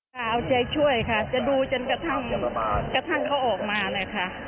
ข่าวใจช่วยค่ะจะดูจนกระทั่งเขาออกมานะคะ